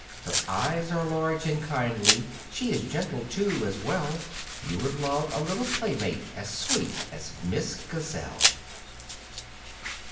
Her eyes are large and kindly, she is gentle, too, as well, You would love a little playmate as sweet as Miss Gazelle.